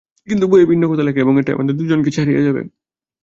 কিন্তু বইয়ে ভিন্ন কথা লেখা, এবং এটাই আমাদের দুজনকেই ছাড়িয়ে যাবে।